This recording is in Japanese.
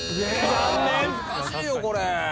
難しいよこれ。